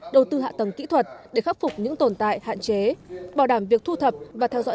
đầu tư hạ tầng kỹ thuật để khắc phục những tồn tại hạn chế bảo đảm việc thu thập và theo dõi